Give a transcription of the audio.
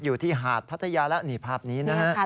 อยู่ที่หาดพัทยาแล้วนี่ภาพนี้นะฮะ